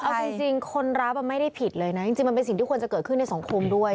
เอาจริงคนรับไม่ได้ผิดเลยนะจริงมันเป็นสิ่งที่ควรจะเกิดขึ้นในสังคมด้วย